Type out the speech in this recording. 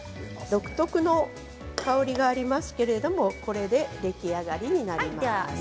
独特の香りがありますけれどこれで出来上がりになります。